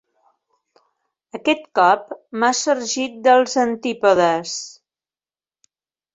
Aquest cop m'ha sorgit dels antípodes.